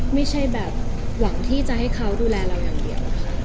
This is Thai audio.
ไม่ใช่แบบหวังที่จะให้เขาดูแลเราอย่างเดียว